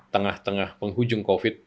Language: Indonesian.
tengah tengah penghujung covid